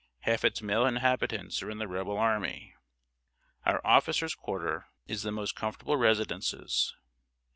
Half its male inhabitants are in the Rebel army. Our officers quarter in the most comfortable residences.